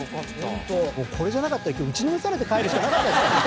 これじゃなかったら今日打ちのめされて帰るしかなかったですからね。